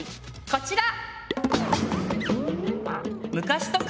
こちら！